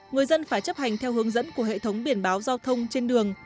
người dân phải chấp hành theo hướng dẫn của hệ thống biển báo giao thông trên đường